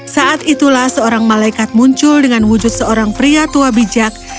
saat itulah seorang malaikat muncul dengan wujud seorang pria tua bijak